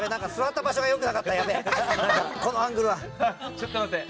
ちょっと待って。